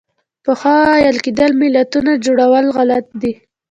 پخوا ویل کېدل ملتونو جوړول غلط دي.